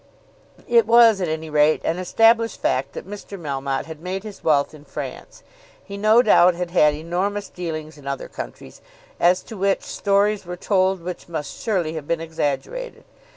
It was at any rate an established fact that Mr. Melmotte had made his wealth in France. He no doubt had had enormous dealings in other countries, as to which stories were told which must surely have been exaggerated.